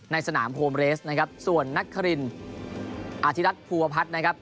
สนามโฮมเรสนะครับส่วนนักครินอธิรัตนภูวพัฒน์นะครับ